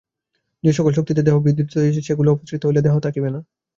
যে-সকল শক্তিতে দেহ বিধৃত রহিয়াছে, সেগুলি অপসৃত হইলে দেহ থাকিবে না।